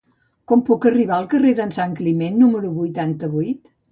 Com puc arribar al carrer d'en Santcliment número vuitanta-vuit?